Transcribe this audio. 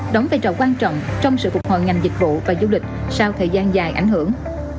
đóng vai trò quan trọng trong sự phục hồi ngành dịch vụ và du lịch sau thời gian dài ảnh hưởng